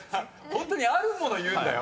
ホントにあるもの言うんだよ。